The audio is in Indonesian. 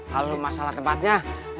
halo masalah tempatnya